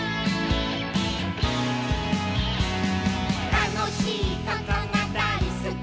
「たのしいことがだいすき」